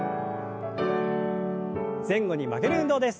前後に曲げる運動です。